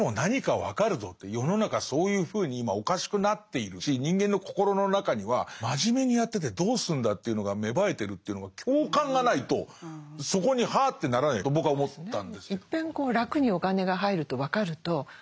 世の中そういうふうに今おかしくなっているし人間の心の中には真面目にやっててどうすんだというのが芽生えてるというのが共感がないとそこにはあってならないと僕は思ったんですけど。